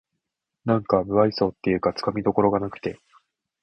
なんか無愛想っていうかつかみどころがなくて